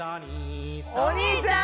お兄ちゃん！